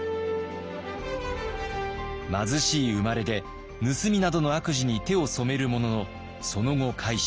貧しい生まれで盗みなどの悪事に手を染めるもののその後改心。